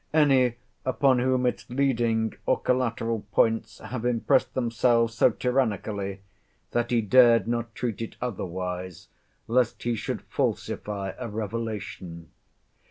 Any upon whom its leading or collateral points have impressed themselves so tyrannically, that he dared not treat it otherwise, lest he should falsify a revelation?